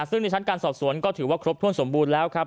ซึ่งในชั้นการสอบสวนก็ถือว่าครบถ้วนสมบูรณ์แล้วครับ